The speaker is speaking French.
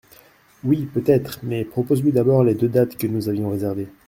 Oui, peut-être mais propose lui d’abord les deux dates que nous avions réservées.